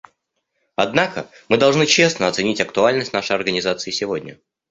Однако мы должны честно оценить актуальность нашей Организации сегодня.